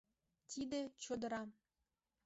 Тиде — чодыра.